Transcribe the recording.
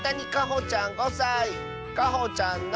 かほちゃんの。